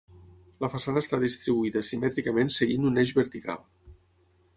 La façana està distribuïda simètricament seguint un eix vertical.